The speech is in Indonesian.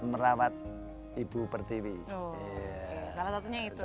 merawat ibu pertiwi salah satunya itu salah satu salah satu salah satu salah satu salah satu salah satu